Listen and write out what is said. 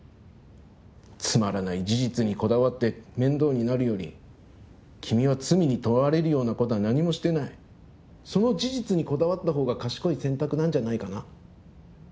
つまらない事実にこだわって面倒になるより君は罪に問われるようなことは何もしてないその事実にこだわった方が賢い選択なんじゃないかな？